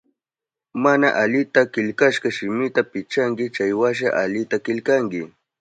Mana alita killkashka shimita pichanki, chaywasha alita killkanki.